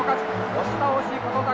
押し倒し、琴櫻。